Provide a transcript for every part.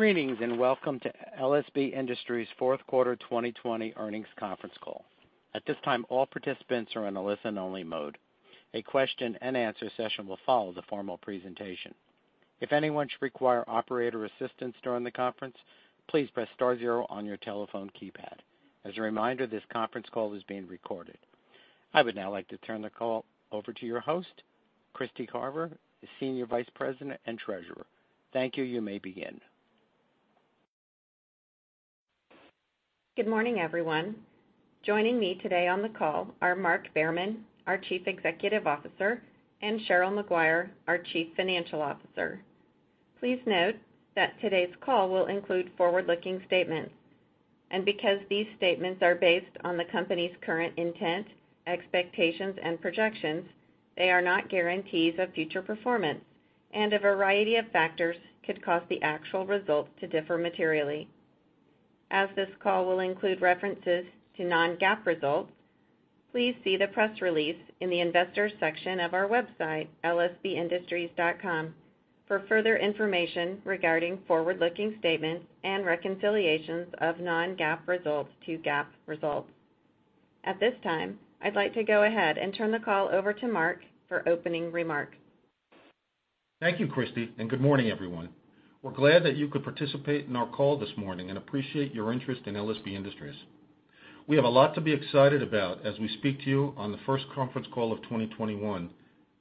Greetings, and welcome to LSB Industries' fourth quarter 2020 earnings conference call. At this time, all participants are in a listen-only mode. A question-and-answer session will follow the formal presentation. If anyone should require operator assistance during the conference, please press star zero on your telephone keypad. As a reminder, this conference call is being recorded. I would now like to turn the call over to your host, Kristy Carver, the Senior Vice President and Treasurer. Thank you. You may begin. Good morning, everyone. Joining me today on the call are Mark Behrman, our Chief Executive Officer, and Cheryl Maguire, our Chief Financial Officer. Please note that today's call will include forward-looking statements, and because these statements are based on the company's current intent, expectations, and projections, they are not guarantees of future performance, and a variety of factors could cause the actual results to differ materially. As this call will include references to non-GAAP results, please see the press release in the investor section of our website, lsbindustries.com, for further information regarding forward-looking statements and reconciliations of non-GAAP results to GAAP results. At this time, I'd like to go ahead and turn the call over to Mark for opening remarks. Thank you, Kristy, good morning, everyone. We're glad that you could participate in our call this morning and appreciate your interest in LSB Industries. We have a lot to be excited about as we speak to you on the first conference call of 2021,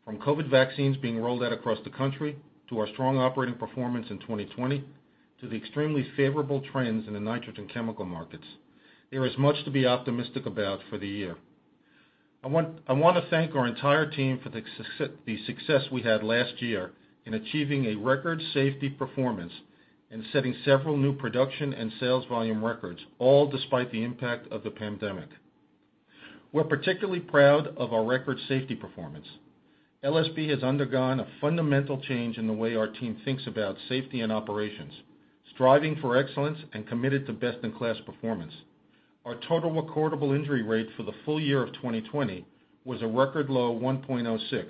from COVID-19 vaccines being rolled out across the country to our strong operating performance in 2020 to the extremely favorable trends in the nitrogen chemical markets. There is much to be optimistic about for the year. I want to thank our entire team for the success we had last year in achieving a record safety performance and setting several new production and sales volume records, all despite the impact of the pandemic. We're particularly proud of our record safety performance. LSB Industries has undergone a fundamental change in the way our team thinks about safety and operations, striving for excellence and committed to best-in-class performance. Our total recordable injury rate for the full year of 2020 was a record low 1.06%,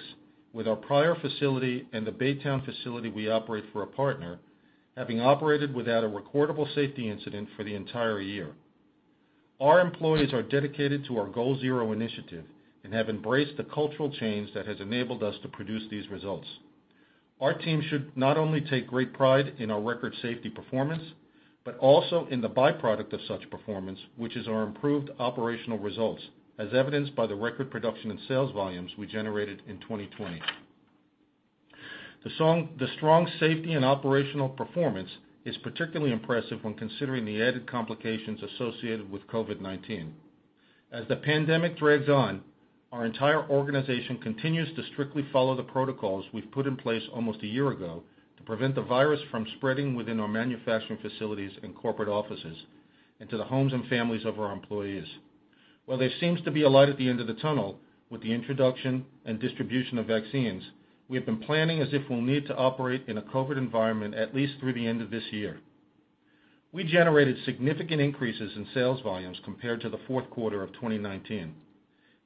with our Pryor facility and the Baytown facility we operate for a partner having operated without a recordable safety incident for the entire year. Our employees are dedicated to our Goal Zero initiative and have embraced the cultural change that has enabled us to produce these results. Our team should not only take great pride in our record safety performance, but also in the byproduct of such performance, which is our improved operational results, as evidenced by the record production and sales volumes we generated in 2020. The strong safety and operational performance is particularly impressive when considering the added complications associated with COVID-19. As the pandemic drags on, our entire organization continues to strictly follow the protocols we've put in place almost a year ago to prevent the virus from spreading within our manufacturing facilities and corporate offices into the homes and families of our employees. While there seems to be a light at the end of the tunnel with the introduction and distribution of vaccines, we have been planning as if we'll need to operate in a COVID environment at least through the end of this year. We generated significant increases in sales volumes compared to the fourth quarter of 2019.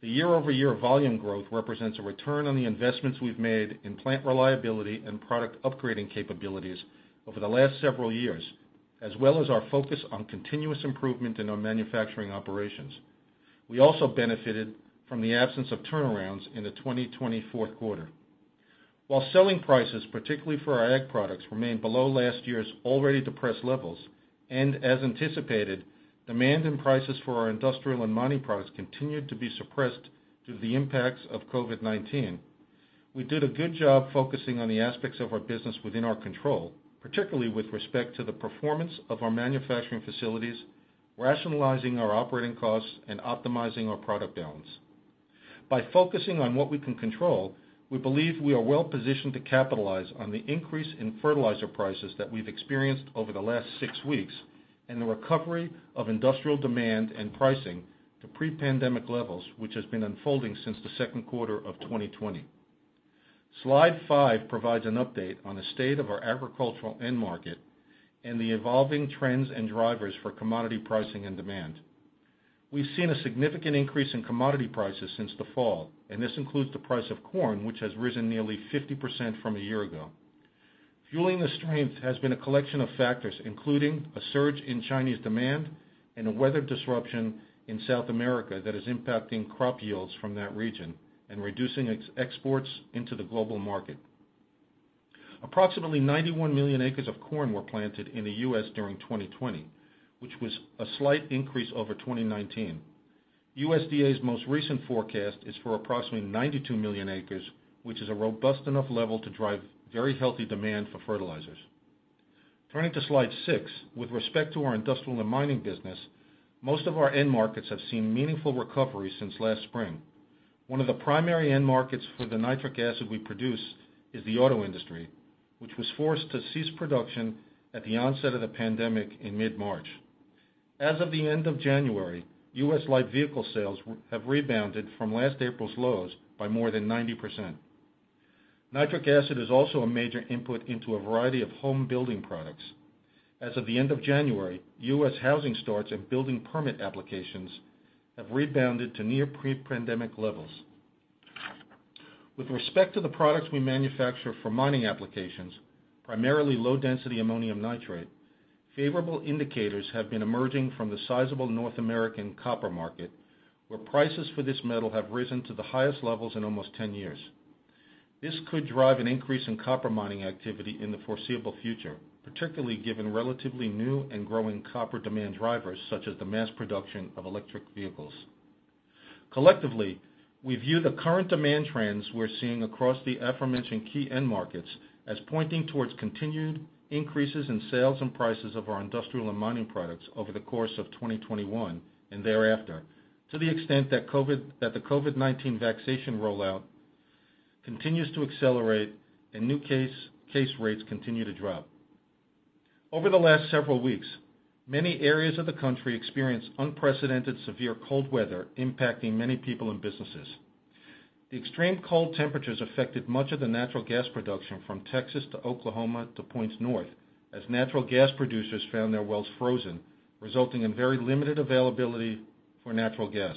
The year-over-year volume growth represents a return on the investments we've made in plant reliability and product upgrading capabilities over the last several years, as well as our focus on continuous improvement in our manufacturing operations. We also benefited from the absence of turnarounds in the 2020 fourth quarter. While selling prices, particularly for our ag products, remained below last year's already depressed levels, as anticipated, demand and prices for our industrial and mining products continued to be suppressed due to the impacts of COVID-19. We did a good job focusing on the aspects of our business within our control, particularly with respect to the performance of our manufacturing facilities, rationalizing our operating costs, and optimizing our product balance. By focusing on what we can control, we believe we are well-positioned to capitalize on the increase in fertilizer prices that we've experienced over the last six weeks and the recovery of industrial demand and pricing to pre-pandemic levels, which has been unfolding since the second quarter of 2020. Slide five provides an update on the state of our agricultural end market and the evolving trends and drivers for commodity pricing and demand. We've seen a significant increase in commodity prices since the fall. This includes the price of corn, which has risen nearly 50% from a year ago. Fueling the strength has been a collection of factors, including a surge in Chinese demand and a weather disruption in South America that is impacting crop yields from that region and reducing its exports into the global market. Approximately 91 million acres of corn were planted in the U.S. during 2020, which was a slight increase over 2019. USDA's most recent forecast is for approximately 92 million acres, which is a robust enough level to drive very healthy demand for fertilizers. Turning to slide six, with respect to our industrial and mining business, most of our end markets have seen meaningful recovery since last spring. One of the primary end markets for the nitric acid we produce is the auto industry, which was forced to cease production at the onset of the pandemic in mid-March. As of the end of January, U.S. light vehicle sales have rebounded from last April's lows by more than 90%. Nitric acid is also a major input into a variety of home building products. As of the end of January, U.S. housing starts and building permit applications have rebounded to near pre-pandemic levels. With respect to the products we manufacture for mining applications, primarily low-density ammonium nitrate, favorable indicators have been emerging from the sizable North American copper market, where prices for this metal have risen to the highest levels in almost 10 years. This could drive an increase in copper mining activity in the foreseeable future, particularly given relatively new and growing copper demand drivers, such as the mass production of electric vehicles. Collectively, we view the current demand trends we're seeing across the aforementioned key end markets as pointing towards continued increases in sales and prices of our industrial and mining products over the course of 2021 and thereafter, to the extent that the COVID-19 vaccination rollout continues to accelerate and new case rates continue to drop. Over the last several weeks, many areas of the country experienced unprecedented severe cold weather, impacting many people and businesses. The extreme cold temperatures affected much of the natural gas production from Texas to Oklahoma to points north, as natural gas producers found their wells frozen, resulting in very limited availability for natural gas.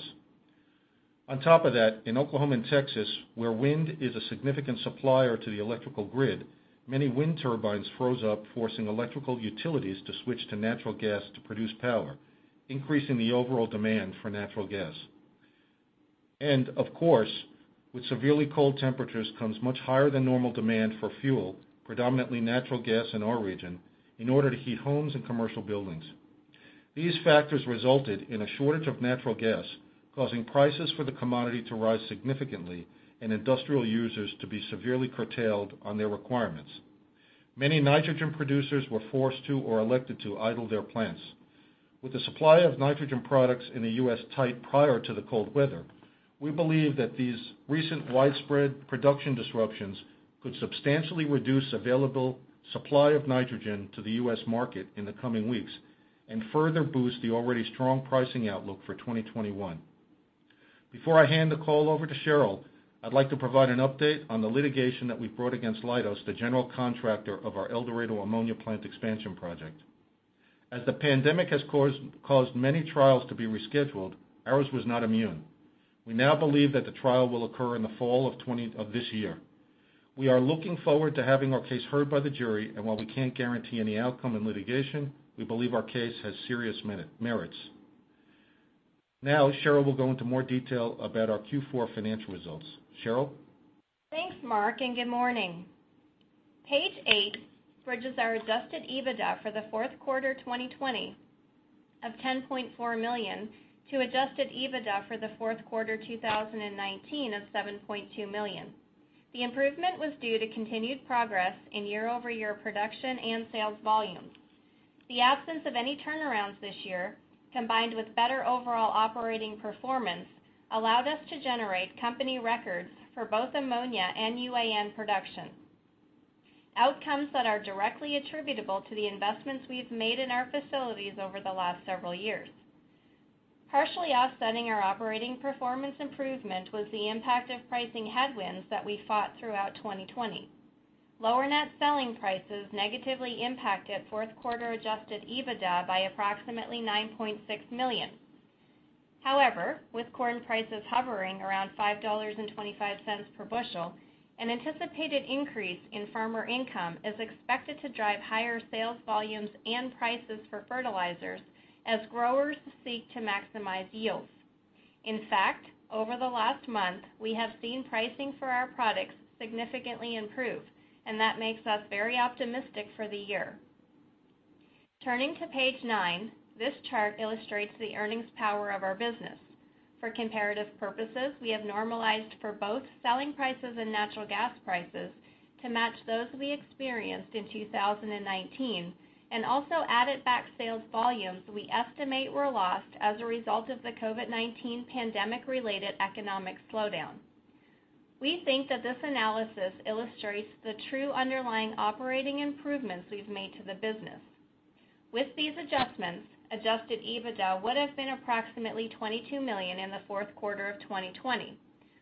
On top of that, in Oklahoma and Texas, where wind is a significant supplier to the electrical grid, many wind turbines froze up, forcing electrical utilities to switch to natural gas to produce power, increasing the overall demand for natural gas. Of course, with severely cold temperatures comes much higher than normal demand for fuel, predominantly natural gas in our region, in order to heat homes and commercial buildings. These factors resulted in a shortage of natural gas, causing prices for the commodity to rise significantly and industrial users to be severely curtailed on their requirements. Many nitrogen producers were forced to or elected to idle their plants. With the supply of nitrogen products in the U.S. tight prior to the cold weather, we believe that these recent widespread production disruptions could substantially reduce available supply of nitrogen to the U.S. market in the coming weeks and further boost the already strong pricing outlook for 2021. Before I hand the call over to Cheryl, I'd like to provide an update on the litigation that we've brought against Leidos, the general contractor of our El Dorado Ammonia Plant Expansion Project. As the pandemic has caused many trials to be rescheduled, ours was not immune. We now believe that the trial will occur in the fall of this year. We are looking forward to having our case heard by the jury, and while we can't guarantee any outcome in litigation, we believe our case has serious merits. Now, Cheryl will go into more detail about our Q4 financial results. Cheryl? Thanks, Mark, and good morning. Page eight bridges our adjusted EBITDA for the fourth quarter 2020 of $10.4 million to adjusted EBITDA for the fourth quarter 2019 of $7.2 million. The improvement was due to continued progress in year-over-year production and sales volumes. The absence of any turnarounds this year, combined with better overall operating performance, allowed us to generate company records for both ammonia and UAN production. Outcomes that are directly attributable to the investments we've made in our facilities over the last several years. Partially offsetting our operating performance improvement was the impact of pricing headwinds that we fought throughout 2020. Lower net selling prices negatively impacted fourth quarter adjusted EBITDA by approximately $9.6 million. However, with corn prices hovering around $5.25 per bushel, an anticipated increase in farmer income is expected to drive higher sales volumes and prices for fertilizers as growers seek to maximize yields. In fact, over the last month, we have seen pricing for our products significantly improve, and that makes us very optimistic for the year. Turning to page nine, this chart illustrates the earnings power of our business. For comparative purposes, we have normalized for both selling prices and natural gas prices to match those we experienced in 2019 and also added back sales volumes we estimate were lost as a result of the COVID-19 pandemic-related economic slowdown. We think that this analysis illustrates the true underlying operating improvements we've made to the business. With these adjustments, adjusted EBITDA would have been approximately $22 million in the fourth quarter of 2020,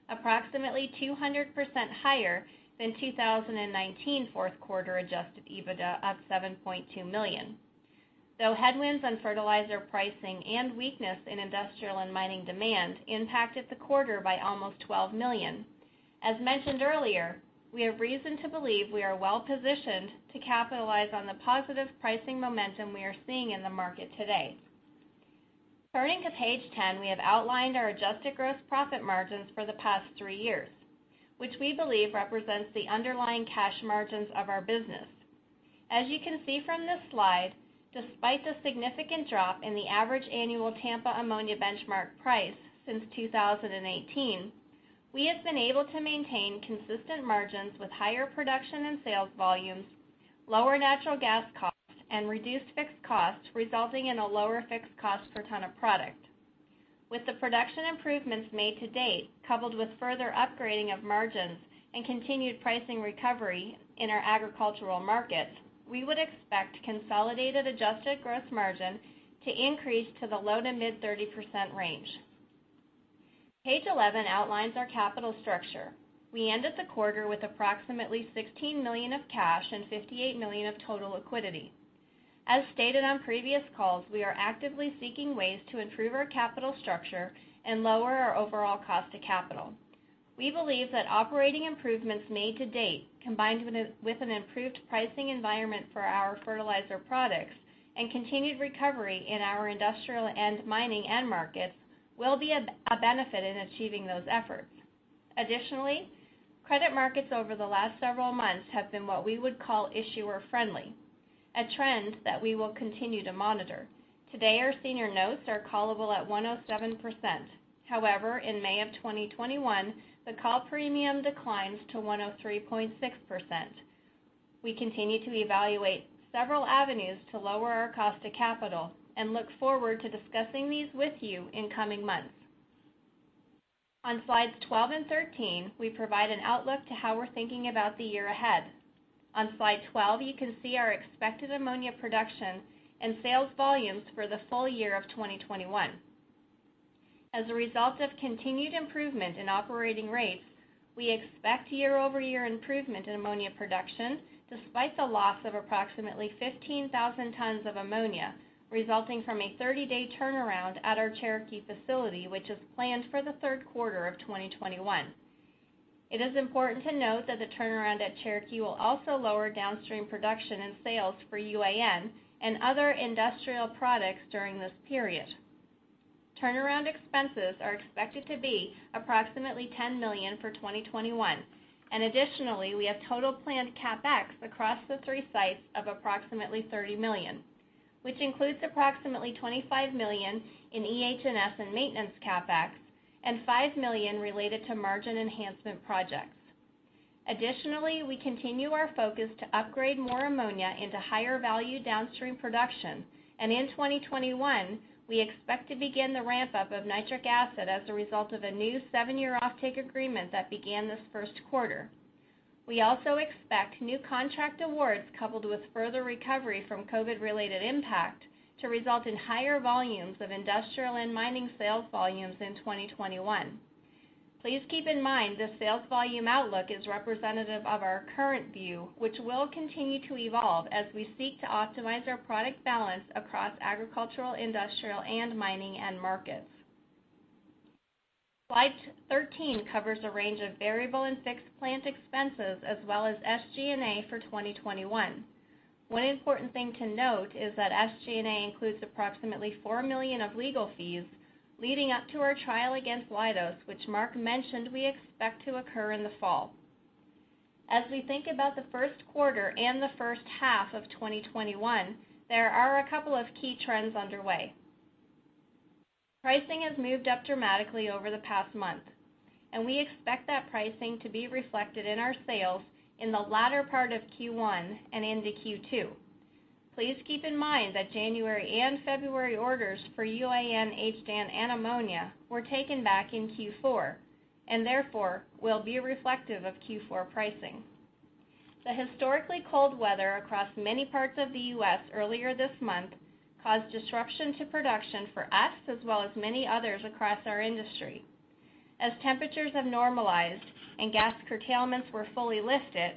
approximately 200% higher than 2019 fourth quarter adjusted EBITDA of $7.2 million. Headwinds on fertilizer pricing and weakness in industrial and mining demand impacted the quarter by almost $12 million. As mentioned earlier, we have reason to believe we are well-positioned to capitalize on the positive pricing momentum we are seeing in the market today. Turning to page 10, we have outlined our adjusted gross profit margins for the past three years, which we believe represents the underlying cash margins of our business. As you can see from this slide, despite the significant drop in the average annual Tampa ammonia benchmark price since 2018, we have been able to maintain consistent margins with higher production and sales volumes, lower natural gas costs, and reduced fixed costs, resulting in a lower fixed cost per ton of product. With the production improvements made to date, coupled with further upgrading of margins and continued pricing recovery in our agricultural markets, we would expect consolidated adjusted gross margin to increase to the low to mid 30% range. Page 11 outlines our capital structure. We ended the quarter with approximately $16 million of cash and $58 million of total liquidity. As stated on previous calls, we are actively seeking ways to improve our capital structure and lower our overall cost to capital. We believe that operating improvements made to date, combined with an improved pricing environment for our fertilizer products and continued recovery in our industrial and mining end markets, will be a benefit in achieving those efforts. Additionally, credit markets over the last several months have been what we would call issuer-friendly, a trend that we will continue to monitor. Today, our senior notes are callable at 107%. However, in May of 2021, the call premium declines to 103.6%. We continue to evaluate several avenues to lower our cost to capital and look forward to discussing these with you in coming months. On slides 12 and 13, we provide an outlook to how we're thinking about the year ahead. On slide 12, you can see our expected ammonia production and sales volumes for the full year of 2021. As a result of continued improvement in operating rates, we expect year-over-year improvement in ammonia production despite the loss of approximately 15,000 tons of ammonia resulting from a 30-day turnaround at our Cherokee facility, which is planned for the third quarter of 2021. It is important to note that the turnaround at Cherokee will also lower downstream production and sales for UAN and other industrial products during this period. Turnaround expenses are expected to be approximately $10 million for 2021. Additionally, we have total planned CapEx across the three sites of approximately $30 million, which includes approximately $25 million in EH&S and maintenance CapEx and $5 million related to margin enhancement projects. Additionally, we continue our focus to upgrade more ammonia into higher value downstream production, and in 2021, we expect to begin the ramp-up of nitric acid as a result of a new seven-year offtake agreement that began this first quarter. We also expect new contract awards coupled with further recovery from COVID-related impact to result in higher volumes of industrial and mining sales volumes in 2021. Please keep in mind this sales volume outlook is representative of our current view, which will continue to evolve as we seek to optimize our product balance across agricultural, industrial, and mining end markets. Slide 13 covers a range of variable and fixed plant expenses as well as SG&A for 2021. One important thing to note is that SG&A includes approximately $4 million of legal fees leading up to our trial against Leidos, which Mark Behrman mentioned we expect to occur in the fall. As we think about the first quarter and the first half of 2021, there are a couple of key trends underway. Pricing has moved up dramatically over the past month, and we expect that pricing to be reflected in our sales in the latter part of Q1 and into Q2. Please keep in mind that January and February orders for UAN, HDAN, and ammonia were taken back in Q4, and therefore will be reflective of Q4 pricing. The historically cold weather across many parts of the U.S. earlier this month caused disruption to production for us as well as many others across our industry. As temperatures have normalized and gas curtailments were fully lifted,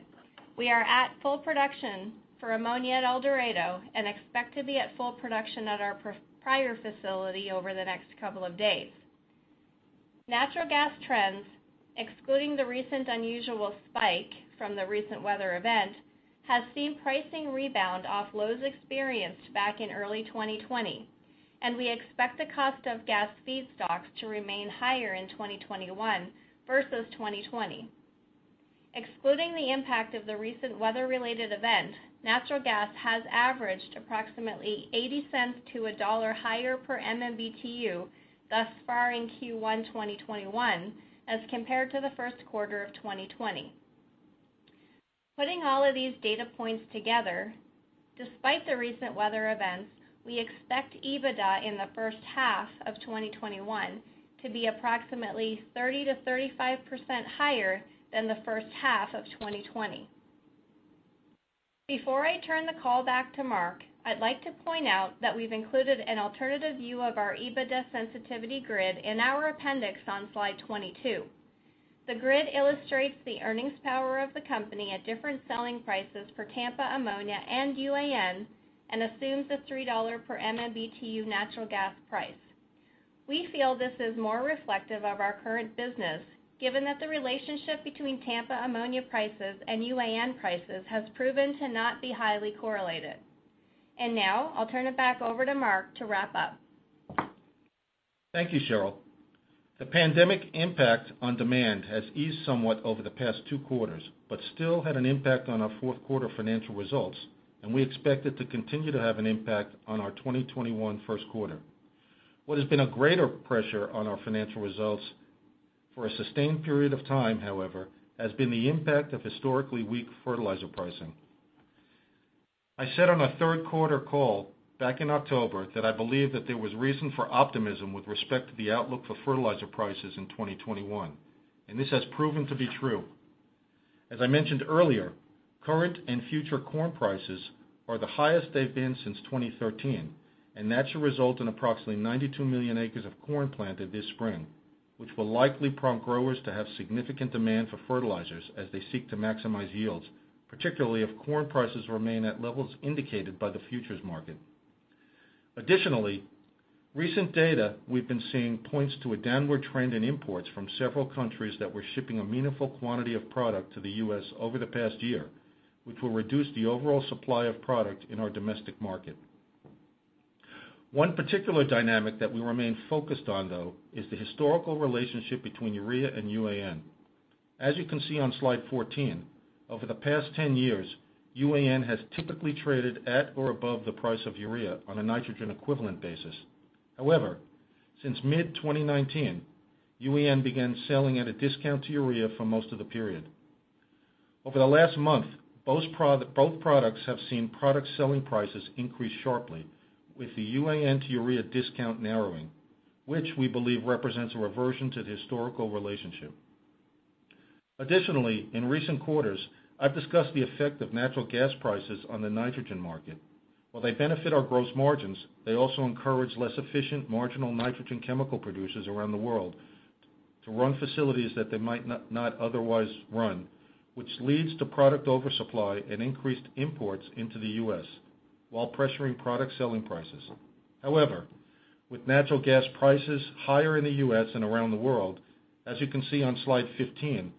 we are at full production for ammonia at El Dorado and expect to be at full production at our Pryor facility over the next couple of days. Natural gas trends, excluding the recent unusual spike from the recent weather event, have seen pricing rebound off lows experienced back in early 2020, and we expect the cost of gas feedstocks to remain higher in 2021 versus 2020. Excluding the impact of the recent weather-related event, natural gas has averaged approximately $0.80 to $1.00 higher per MMBTU thus far in Q1 2021 as compared to the first quarter of 2020. Putting all of these data points together, despite the recent weather events, we expect EBITDA in the first half of 2021 to be approximately 30%-35% higher than the first half of 2020. Before I turn the call back to Mark Behrman, I'd like to point out that we've included an alternative view of our EBITDA sensitivity grid in our appendix on slide 22. The grid illustrates the earnings power of the company at different selling prices for Tampa ammonia and UAN and assumes a $3 per MMBTU natural gas price. We feel this is more reflective of our current business, given that the relationship between Tampa ammonia prices and UAN prices has proven to not be highly correlated. Now I'll turn it back over to Mark Behrman to wrap up. Thank you, Cheryl. The pandemic impact on demand has eased somewhat over the past two quarters, but still had an impact on our fourth quarter financial results, and we expect it to continue to have an impact on our 2021 first quarter. What has been a greater pressure on our financial results for a sustained period of time, however, has been the impact of historically weak fertilizer pricing. I said on our third quarter call back in October that I believe that there was reason for optimism with respect to the outlook for fertilizer prices in 2021, and this has proven to be true. As I mentioned earlier, current and future corn prices are the highest they've been since 2013, and that should result in approximately 92 million acres of corn planted this spring. Which will likely prompt growers to have significant demand for fertilizers as they seek to maximize yields, particularly if corn prices remain at levels indicated by the futures market. Additionally, recent data we've been seeing points to a downward trend in imports from several countries that were shipping a meaningful quantity of product to the U.S. over the past year, which will reduce the overall supply of product in our domestic market. One particular dynamic that we remain focused on, though, is the historical relationship between urea and UAN. As you can see on slide 14, over the past 10 years, UAN has typically traded at or above the price of urea on a nitrogen equivalent basis. However, since mid-2019, UAN began selling at a discount to urea for most of the period. Over the last month, both products have seen product selling prices increase sharply with the UAN to urea discount narrowing, which we believe represents a reversion to the historical relationship. Additionally, in recent quarters, I've discussed the effect of natural gas prices on the nitrogen market. While they benefit our gross margins, they also encourage less efficient marginal nitrogen chemical producers around the world to run facilities that they might not otherwise run, which leads to product oversupply and increased imports into the U.S. while pressuring product selling prices. However, with natural gas prices higher in the U.S. and around the world, as you can see on slide 15,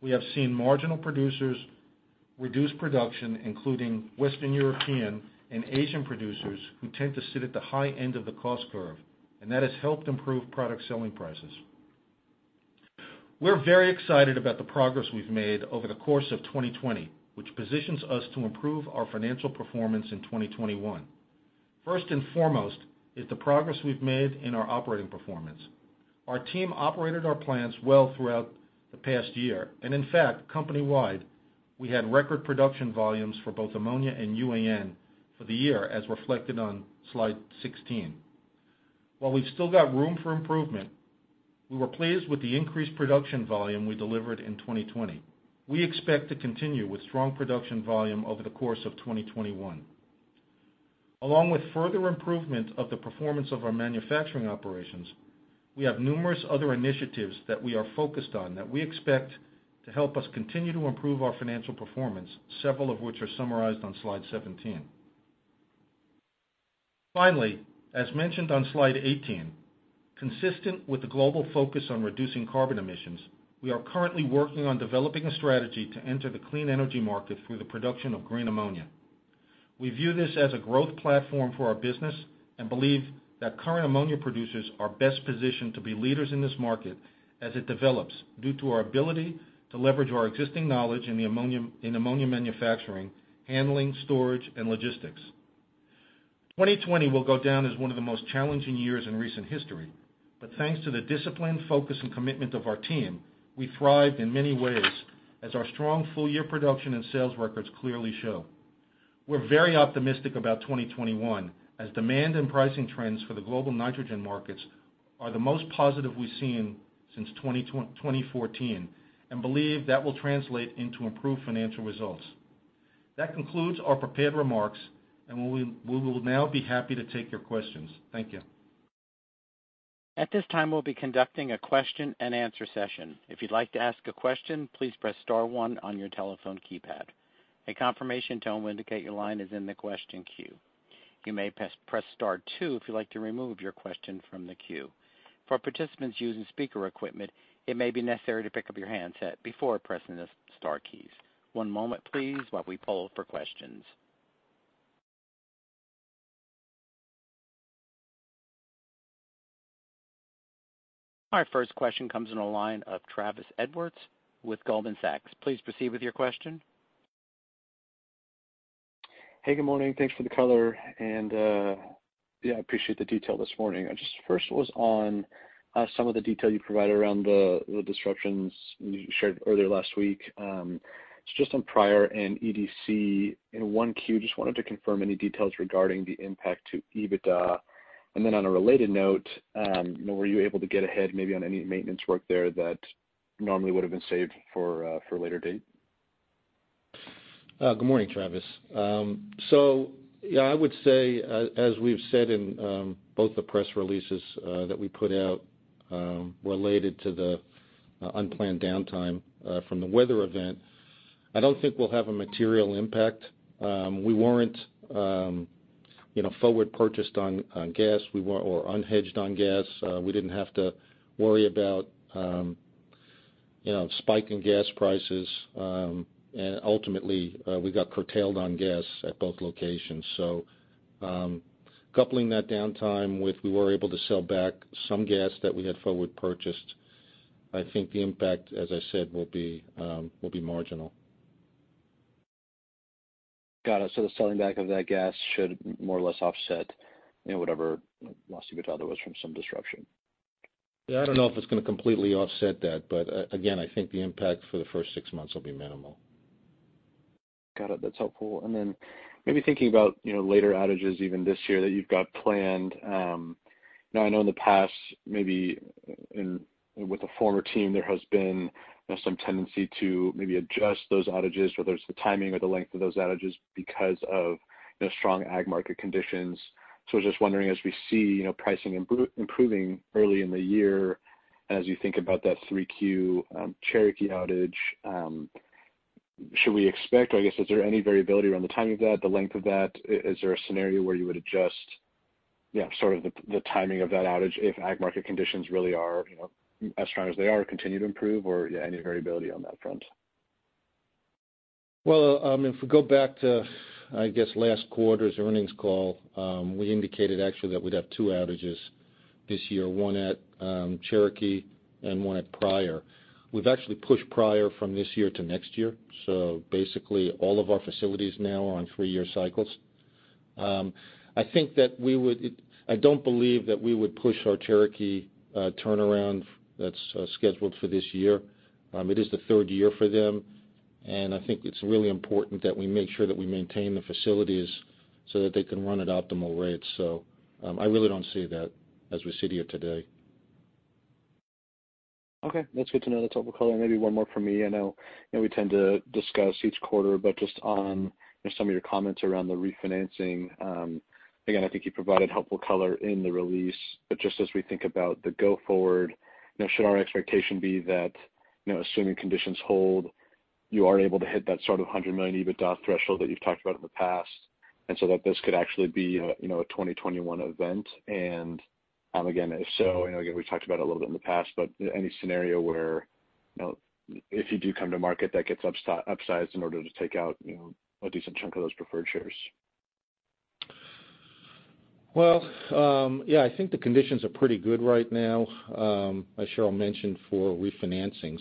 we have seen marginal producers reduce production, including Western European and Asian producers who tend to sit at the high end of the cost curve, and that has helped improve product selling prices. We're very excited about the progress we've made over the course of 2020, which positions us to improve our financial performance in 2021. First and foremost is the progress we've made in our operating performance. Our team operated our plants well throughout the past year. In fact, company-wide, we had record production volumes for both ammonia and UAN for the year, as reflected on slide 16. While we've still got room for improvement, we were pleased with the increased production volume we delivered in 2020. We expect to continue with strong production volume over the course of 2021. Along with further improvement of the performance of our manufacturing operations, we have numerous other initiatives that we are focused on that we expect to help us continue to improve our financial performance, several of which are summarized on slide 17. Finally, as mentioned on slide 18, consistent with the global focus on reducing carbon emissions, we are currently working on developing a strategy to enter the clean energy market through the production of green ammonia. We view this as a growth platform for our business and believe that current ammonia producers are best positioned to be leaders in this market as it develops due to our ability to leverage our existing knowledge in ammonia manufacturing, handling, storage, and logistics. 2020 will go down as one of the most challenging years in recent history. Thanks to the discipline, focus, and commitment of our team, we thrived in many ways as our strong full-year production and sales records clearly show. We're very optimistic about 2021, as demand and pricing trends for the global nitrogen markets are the most positive we've seen since 2014 and believe that will translate into improved financial results. That concludes our prepared remarks, and we will now be happy to take your questions. Thank you. At this time, we'll be conducting a question and answer session. If you'd like to ask a question, please press star one on your telephone keypad. A confirmation tone will indicate your line is in the question queue. You may press star two if you'd like to remove your question from the queue. For participants using speaker equipment, it may be necessary to pick up your handset before pressing the star keys. One moment please, while we poll for questions. Our first question comes on the line of Travis Edwards with Goldman Sachs. Please proceed with your question. Hey. Good morning. Thanks for the color. Yeah, I appreciate the detail this morning. Just first was on some of the detail you provided around the disruptions you shared earlier last week. It's just on Pryor and EDC in Q1. Just wanted to confirm any details regarding the impact to EBITDA. Then on a related note, were you able to get ahead maybe on any maintenance work there that normally would have been saved for a later date? Good morning, Travis. Yeah, I would say, as we've said in both the press releases that we put out related to the unplanned downtime from the weather event, I don't think we'll have a material impact. We weren't forward purchased on gas. We were unhedged on gas. We didn't have to worry about spiking gas prices. Ultimately, we got curtailed on gas at both locations. Coupling that downtime with we were able to sell back some gas that we had forward purchased. I think the impact, as I said, will be marginal. Got it. The selling back of that gas should more or less offset whatever lost EBITDA was from some disruption. Yeah. I don't know if it's going to completely offset that. Again, I think the impact for the first six months will be minimal. Got it. That's helpful. Then maybe thinking about later outages even this year that you've got planned. Now I know in the past, maybe with the former team, there has been some tendency to maybe adjust those outages, whether it's the timing or the length of those outages, because of strong ag market conditions. I was just wondering, as we see pricing improving early in the year, as you think about that Q3 Cherokee outage. Should we expect, I guess, is there any variability around the timing of that, the length of that? Is there a scenario where you would adjust sort of the timing of that outage if ag market conditions really are as strong as they are, continue to improve or any variability on that front? Well, if we go back to, I guess, last quarter's earnings call, we indicated actually that we'd have two outages this year, one at Cherokee and one at Pryor. We've actually pushed Pryor from this year to next year. Basically, all of our facilities now are on three-year cycles. I think that I don't believe that we would push our Cherokee turnaround that's scheduled for this year. It is the third year for them, and I think it's really important that we make sure that we maintain the facilities so that they can run at optimal rates. I really don't see that as we sit here today. Okay, that's good to know. That's helpful color. Maybe one more from me. I know we tend to discuss each quarter, just on some of your comments around the refinancing. Again, I think you provided helpful color in the release, just as we think about the go forward, should our expectation be that, assuming conditions hold, you are able to hit that sort of $100 million EBITDA threshold that you've talked about in the past, that this could actually be a 2021 event. Again, if so, I know we've talked about it a little bit in the past, any scenario where if you do come to market that gets upsized in order to take out a decent chunk of those preferred shares? Well, yeah, I think the conditions are pretty good right now, as Cheryl mentioned, for refinancing.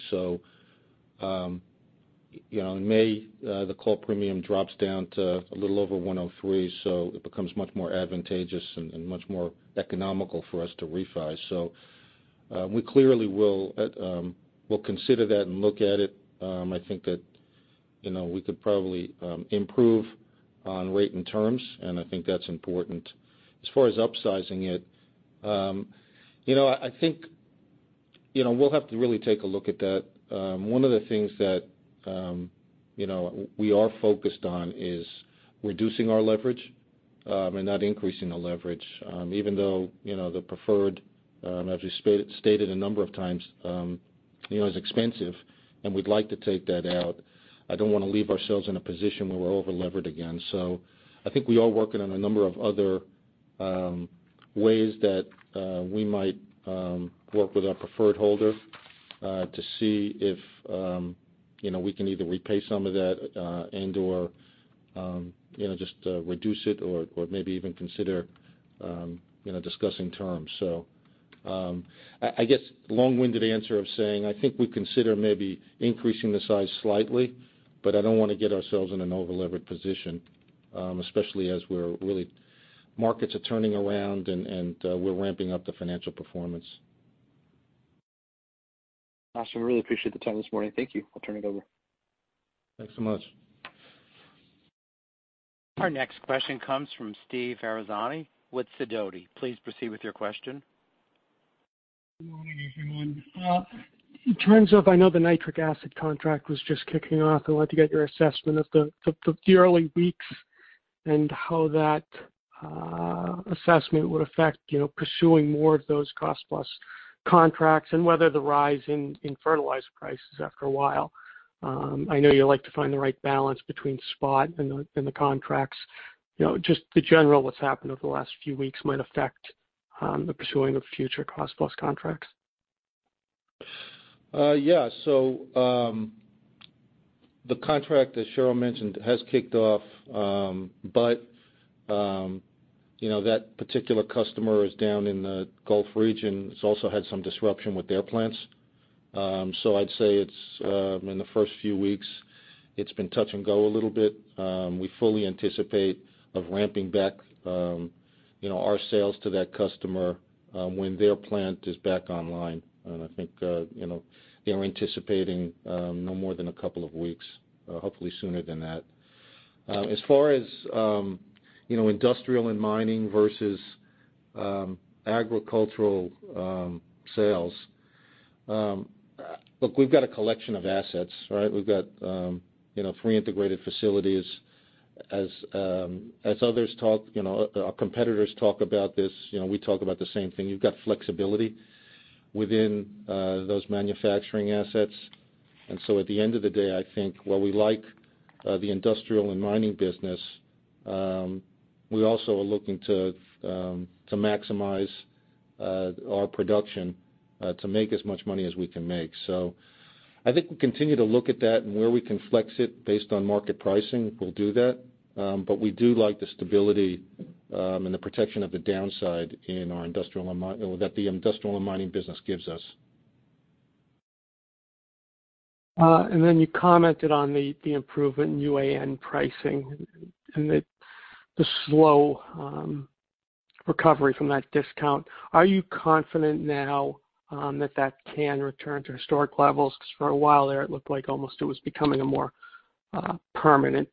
In May, the call premium drops down to a little over 103%, so it becomes much more advantageous and much more economical for us to refi. We clearly will consider that and look at it. I think that we could probably improve on rate and terms, and I think that's important. As far as upsizing it, I think we'll have to really take a look at that. One of the things that we are focused on is reducing our leverage and not increasing the leverage. Even though the preferred, as we stated a number of times, is expensive and we'd like to take that out, I don't want to leave ourselves in a position where we're overleveraged again. I think we are working on a number of other ways that we might work with our preferred holder to see if we can either repay some of that and/or just reduce it or maybe even consider discussing terms. I guess long-winded answer of saying, I think we consider maybe increasing the size slightly, but I don't want to get ourselves in an overleveraged position, especially as markets are turning around and we're ramping up the financial performance. Awesome. Really appreciate the time this morning. Thank you. I'll turn it over. Thanks so much. Our next question comes from Steve Ferazani with Sidoti. Please proceed with your question. Good morning, everyone. In terms of, I know the nitric acid contract was just kicking off. I wanted to get your assessment of the early weeks and how that assessment would affect pursuing more of those cost-plus contracts and whether the rise in fertilizer prices after a while. I know you like to find the right balance between spot and the contracts. Just the general what's happened over the last few weeks might affect the pursuing of future cost-plus contracts. Yeah. The contract, as Cheryl mentioned, has kicked off. That particular customer is down in the Gulf region, has also had some disruption with their plants. I'd say in the first few weeks, it's been touch and go a little bit. We fully anticipate of ramping back our sales to that customer when their plant is back online. I think they're anticipating no more than a couple of weeks, hopefully sooner than that. As far as industrial and mining versus agricultural sales. Look, we've got a collection of assets, right? We've got three integrated facilities. As others talk, our competitors talk about this, we talk about the same thing. You've got flexibility within those manufacturing assets. At the end of the day, I think while we like the industrial and mining business, we also are looking to maximize our production to make as much money as we can make. I think we continue to look at that and where we can flex it based on market pricing, we'll do that. We do like the stability and the protection of the downside that the industrial and mining business gives us. You commented on the improvement in UAN pricing and the slow recovery from that discount. Are you confident now that that can return to historic levels? Because for a while there, it looked like almost it was becoming a more permanent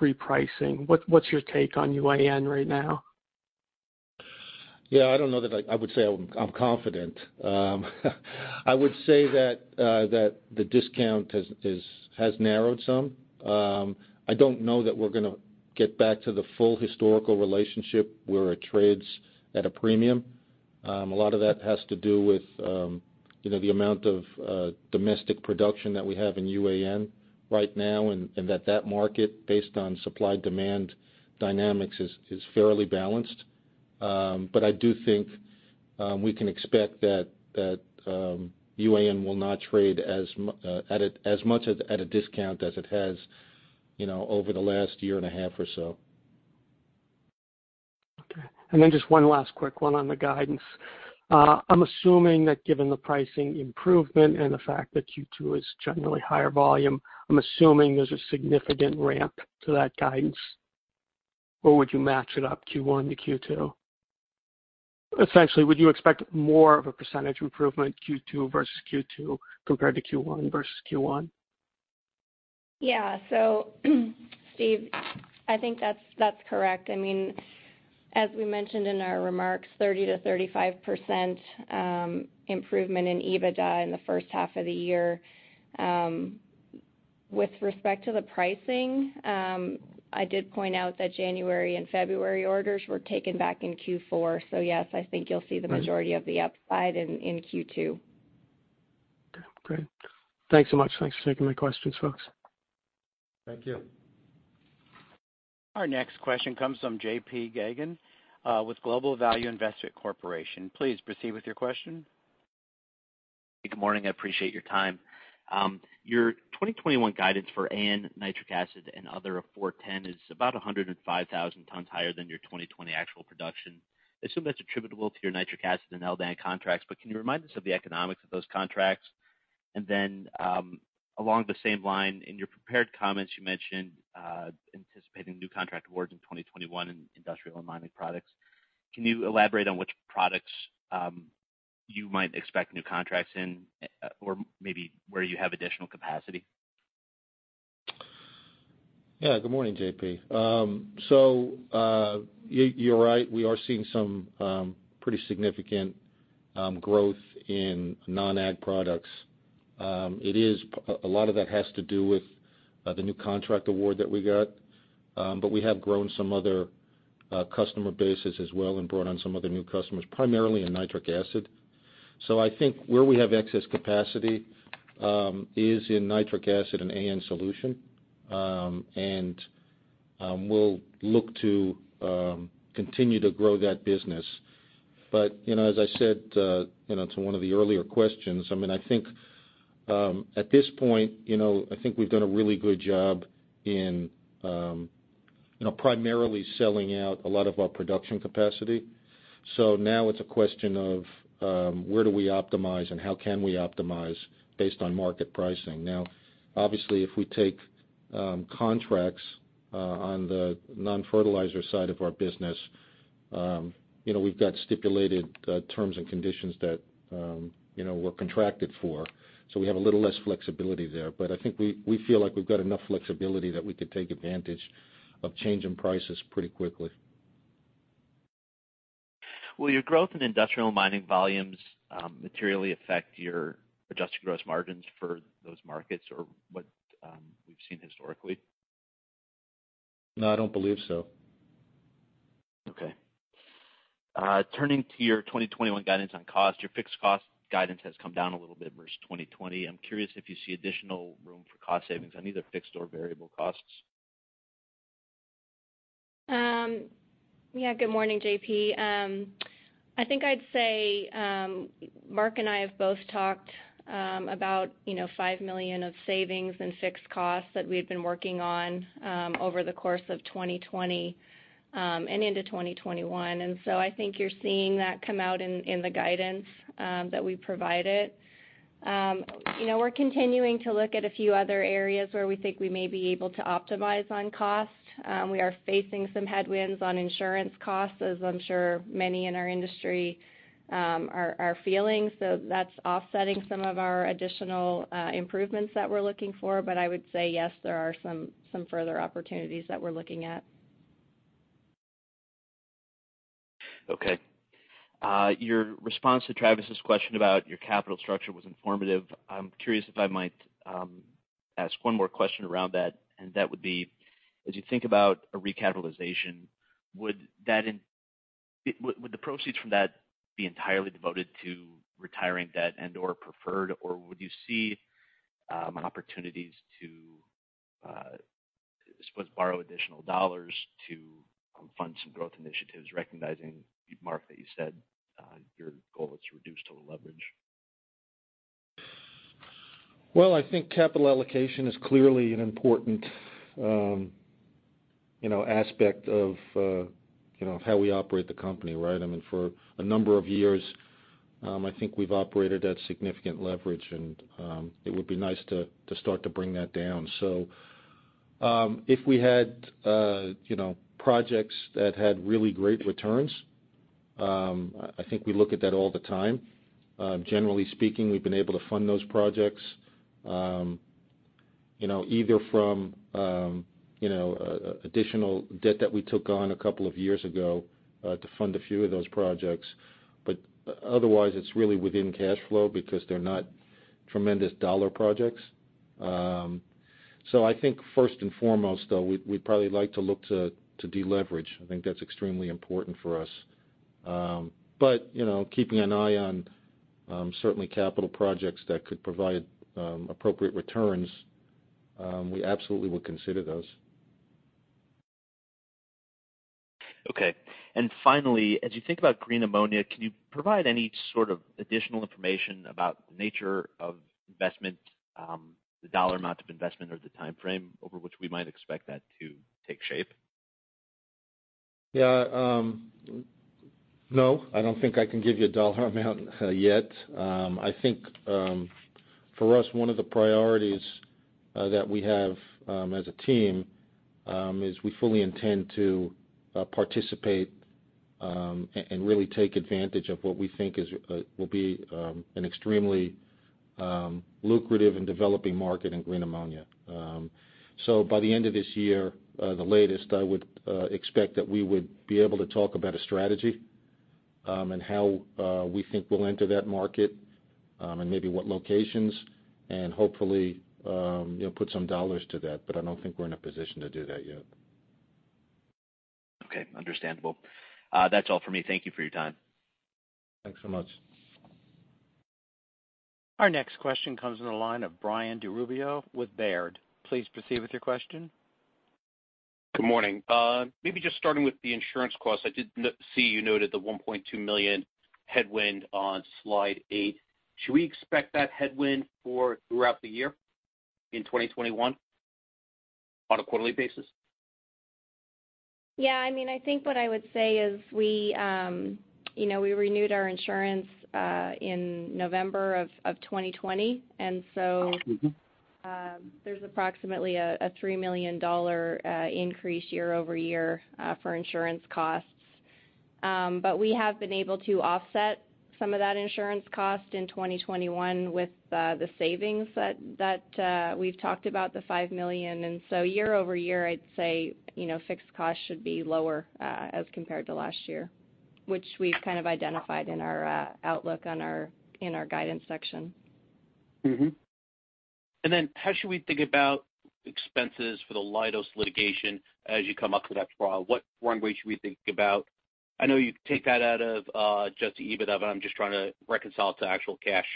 repricing. What's your take on UAN right now? Yeah, I don't know that I would say I'm confident. I would say that the discount has narrowed some. I don't know that we're going to get back to the full historical relationship where it trades at a premium. A lot of that has to do with the amount of domestic production that we have in UAN right now, and that that market, based on supply-demand dynamics, is fairly balanced. I do think we can expect that UAN will not trade as much at a discount as it has over the last year and a half or so. Okay. Just one last quick one on the guidance. I'm assuming that given the pricing improvement and the fact that Q2 is generally higher volume, I'm assuming there's a significant ramp to that guidance, or would you match it up Q1 to Q2? Essentially, would you expect more of a percentage improvement Q2 versus Q2 compared to Q1 versus Q1? Steve, I think that's correct. As we mentioned in our remarks, 30%-35% improvement in EBITDA in the first half of the year. With respect to the pricing, I did point out that January and February orders were taken back in Q4. Yes, I think you'll see the majority of the upside in Q2. Okay, great. Thanks so much. Thanks for taking my questions, folks. Thank you. Our next question comes from JP Geygan with Global Value Investment Corp.. Please proceed with your question. Good morning. I appreciate your time. Your 2021 guidance for AN, nitric acid, and other of 410 is about 105,000 tons higher than your 2020 actual production. Can you remind us of the economics of those contracts? Along the same line, in your prepared comments, you mentioned anticipating new contract awards in 2021 in industrial and mining products. Can you elaborate on which products you might expect new contracts in or maybe where you have additional capacity? Good morning, JP. You're right. We are seeing some pretty significant growth in non-ag products. A lot of that has to do with the new contract award that we got. We have grown some other customer bases as well and brought on some other new customers, primarily in nitric acid. I think where we have excess capacity is in nitric acid and AN solution. We'll look to continue to grow that business. As I said to one of the earlier questions, at this point, I think we've done a really good job in primarily selling out a lot of our production capacity. Now it's a question of where do we optimize and how can we optimize based on market pricing. Now, obviously, if we take contracts on the non-fertilizer side of our business, we've got stipulated terms and conditions that we're contracted for. We have a little less flexibility there. I think we feel like we've got enough flexibility that we could take advantage of changing prices pretty quickly. Will your growth in industrial mining volumes materially affect your adjusted gross margins for those markets or what we've seen historically? No, I don't believe so. Okay. Turning to your 2021 guidance on cost, your fixed cost guidance has come down a little bit versus 2020. I'm curious if you see additional room for cost savings on either fixed or variable costs. Yeah. Good morning, JP. I think I'd say Mark and I have both talked about $5 million of savings in fixed costs that we've been working on over the course of 2020 and into 2021. I think you're seeing that come out in the guidance that we provided. We're continuing to look at a few other areas where we think we may be able to optimize on cost. We are facing some headwinds on insurance costs, as I'm sure many in our industry are feeling. That's offsetting some of our additional improvements that we're looking for. I would say yes, there are some further opportunities that we're looking at. Okay. Your response to Travis's question about your capital structure was informative. I'm curious if I might ask one more question around that, and that would be, as you think about a recapitalization, would the proceeds from that be entirely devoted to retiring debt and/or preferred, or would you see opportunities to, I suppose, borrow additional dollars to fund some growth initiatives, recognizing, Mark, that you said your goal is to reduce total leverage? I think capital allocation is clearly an important aspect of how we operate the company, right? For a number of years, I think we've operated at significant leverage, and it would be nice to start to bring that down. If we had projects that had really great returns, I think we look at that all the time. Generally speaking, we've been able to fund those projects either from additional debt that we took on a couple of years ago to fund a few of those projects. Otherwise, it's really within cash flow because they're not tremendous dollar projects. I think first and foremost, though, we'd probably like to look to deleverage. I think that's extremely important for us. Keeping an eye on certainly capital projects that could provide appropriate returns, we absolutely will consider those. Okay. Finally, as you think about green ammonia, can you provide any sort of additional information about the nature of investment, the dollar amount of investment, or the timeframe over which we might expect that to take shape? Yeah. No, I don't think I can give you a dollar amount yet. I think for us, one of the priorities that we have as a team is we fully intend to participate and really take advantage of what we think will be an extremely lucrative and developing market in green ammonia. By the end of this year, the latest, I would expect that we would be able to talk about a strategy and how we think we'll enter that market and maybe what locations and hopefully put some dollars to that. I don't think we're in a position to do that yet. Okay. Understandable. That's all for me. Thank you for your time. Thanks so much. Our next question comes in the line of Brian DiRubbio with Baird. Please proceed with your question. Good morning. Maybe just starting with the insurance cost. I did see you noted the $1.2 million headwind on Slide eight. Should we expect that headwind for throughout the year in 2021 on a quarterly basis? Yeah. I think what I would say is we renewed our insurance in November of 2020, and so. There's approximately a $3 million increase year-over-year for insurance costs. We have been able to offset some of that insurance cost in 2021 with the savings that we've talked about, the $5 million. Year-over-year, I'd say fixed costs should be lower as compared to last year, which we've kind of identified in our outlook in our guidance section. How should we think about expenses for the Leidos litigation as you come up to that trial? What run rate should we think about? I know you take that out of adjusted EBITDA, but I'm just trying to reconcile it to actual cash.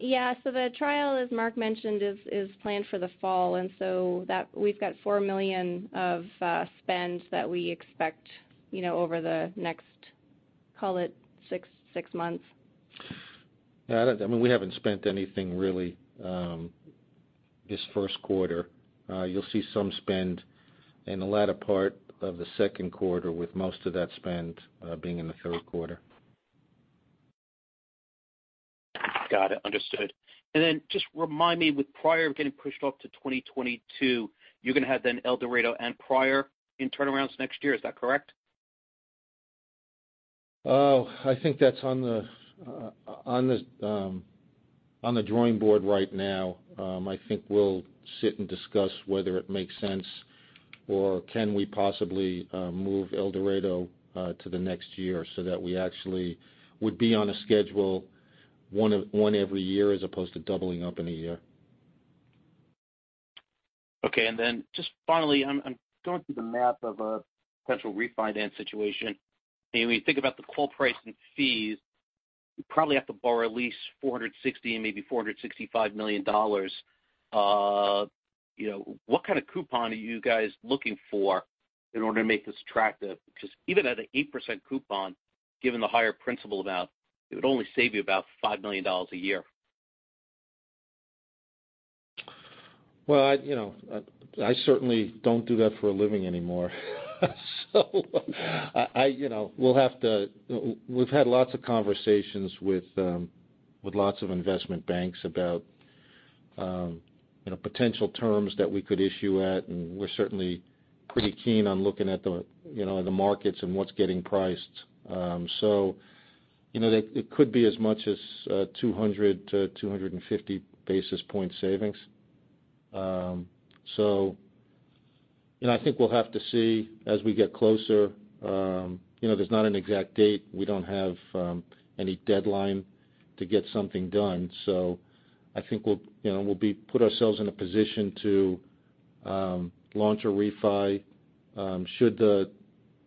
Yeah. The trial, as Mark mentioned, is planned for the fall. We've got $4 million of spend that we expect over the next, call it, six months. Yeah. We haven't spent anything really this first quarter. You'll see some spend in the latter part of the second quarter, with most of that spend being in the third quarter. Got it. Understood. Just remind me, with Pryor getting pushed off to 2022, you're going to have then El Dorado and Pryor in turnarounds next year. Is that correct? I think that's on the drawing board right now. I think we'll sit and discuss whether it makes sense or can we possibly move El Dorado to the next year so that we actually would be on a schedule one every year as opposed to doubling up in a year. Okay. Just finally, I'm going through the math of a potential refinance situation, and when you think about the call price and fees, you probably have to borrow at least $460 million and maybe $465 million. What kind of coupon are you guys looking for in order to make this attractive? Even at an 8% coupon, given the higher principal amount, it would only save you about $5 million a year. Well, I certainly don't do that for a living anymore. We've had lots of conversations with lots of investment banks about potential terms that we could issue at, and we're certainly pretty keen on looking at the markets and what's getting priced. It could be as much as 200-250 basis point savings. I think we'll have to see as we get closer. There's not an exact date. We don't have any deadline to get something done. I think we'll put ourselves in a position to launch a refi should the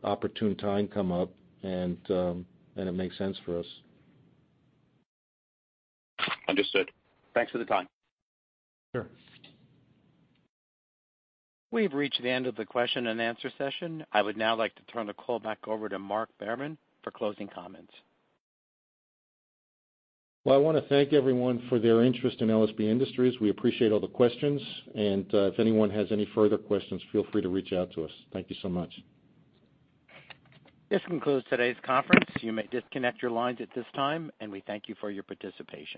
opportune time come up and it makes sense for us. Understood. Thanks for the time. Sure. We have reached the end of the question and answer session. I would now like to turn the call back over to Mark Behrman for closing comments. Well, I want to thank everyone for their interest in LSB Industries. We appreciate all the questions. If anyone has any further questions, feel free to reach out to us. Thank you so much. This concludes today's conference. You may disconnect your lines at this time, and we thank you for your participation.